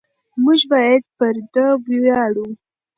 موږ باید پر ده وویاړو.